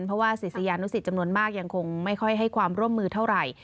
เพราะว่าศิษยานุสิตจำนวนมากยังคงไม่ค่อยให้ความร่วมมือเท่าไหร่